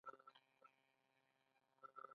ایا موږ یو افغان یو؟